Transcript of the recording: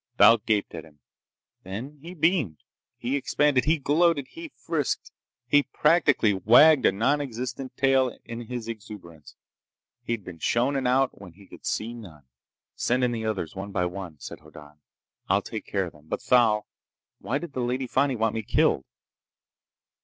Thal gaped at him. Then he beamed. He expanded. He gloated. He frisked. He practically wagged a nonexistent tail in his exuberance. He'd been shown an out when he could see none. "Send in the others one by one," said Hoddan. "I'll take care of them. But Thal—why did the Lady Fani want me killed?"